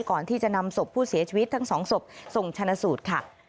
ก่อนที่จะนำศพผู้เสียชีวิตทั้งสองศพส่งชนะสูตรค่ะ